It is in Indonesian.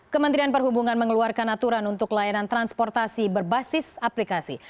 kementerian perhubungan mengeluarkan aturan untuk layanan transportasi berbasis aplikasi